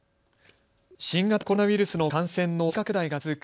新型コロナウイルスの感染の再拡大が続く